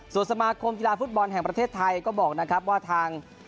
ส่วนสมาคมกีฬาฟุตบอลแห่งประเทศไทยก็บอกนะครับว่าทาง